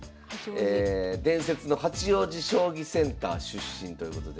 伝説の八王子将棋センター出身ということで。